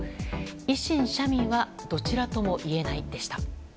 維新、社民はどちらともいえないでした。